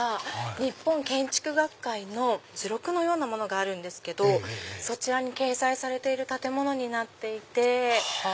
日本建築学会の図録のようなのがあるんですけどそちらに掲載されてる建物になっていて。